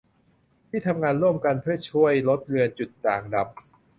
ที่ทำงานร่วมกันเพื่อช่วยลดเลือนจุดด่างดำ